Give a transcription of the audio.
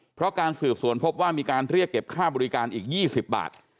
เพราะการสืบสวนพบว่ามีการเรียกเก็บค่าบริการอีก๒๐บาท